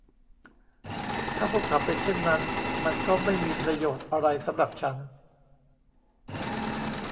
ถ้าพวกเขาเป็นเช่นนั้น มันก็ไม่มีประโยชน์อะไรสำหรับฉัน